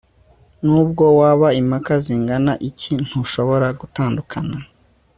nubwo waba impaka zingana iki ntushobora gutandukana